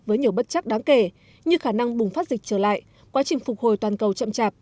với nhiều bất chắc đáng kể như khả năng bùng phát dịch trở lại quá trình phục hồi toàn cầu chậm chạp